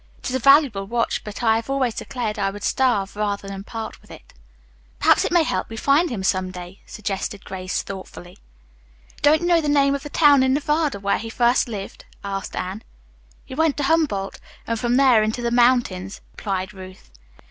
It is a valuable watch, but I have always declared I would starve rather than part with it." "Perhaps it may help you to find him some day," suggested Grace thoughtfully. "Don't you know the name of the town in Nevada where he first lived?" asked Anne. "He went to Humboldt, and from there into the mountains," replied Ruth.